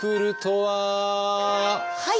はい！